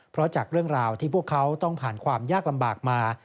เพราะจากเรื่องราวที่พวกเขาต้องผ่านความยากลำบากมา